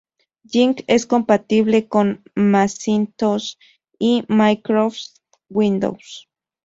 Jing es compatible con Macintosh y Microsoft Windows.